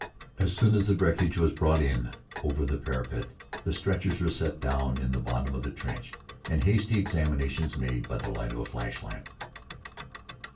and soon the wreckage was brought in over the parapet. The stretchers were set down in the bottom of the trench and hasty examinations made by the light of a flash lamp.